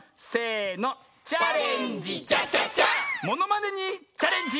ものまねにチャレンジ！